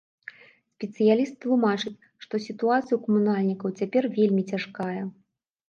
Спецыяліст тлумачыць, што сітуацыя ў камунальнікаў цяпер вельмі цяжкая.